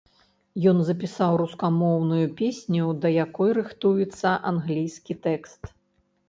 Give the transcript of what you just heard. Ён запісаў рускамоўную песню, да якой рыхтуецца англійскі тэкст.